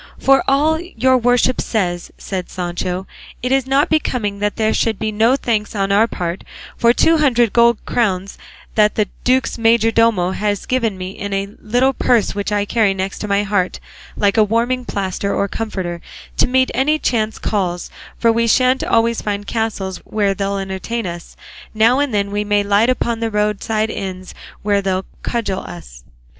"For all your worship says," said Sancho, "it is not becoming that there should be no thanks on our part for two hundred gold crowns that the duke's majordomo has given me in a little purse which I carry next my heart, like a warming plaster or comforter, to meet any chance calls; for we shan't always find castles where they'll entertain us; now and then we may light upon roadside inns where they'll cudgel us."